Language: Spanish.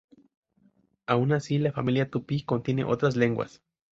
Aun así, la familia tupí contiene otras lenguas.